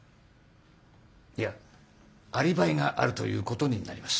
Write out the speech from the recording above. いやアリバイがあるということになります。